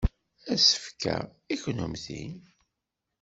Asefk-a i kennemti.